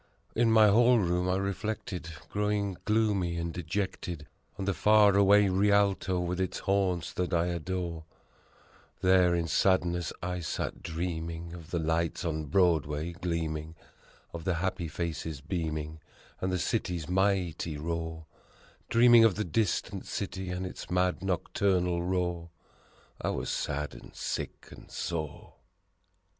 In my hall room I reflected, growing gloomy and dejected, On the far away Rialto with its haunts that I adore; There in sadness I sat dreaming of the lights on Broadway gleaming, Of the happy faces beaming, and the city's mighty roar: Dreaming of the distant city and its mad nocturnal roar I was sad and sick and sore!